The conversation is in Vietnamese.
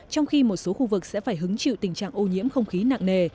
trong khi một số khu vực sẽ phải hứng chịu tình trạng ô nhiễm không khí nặng nề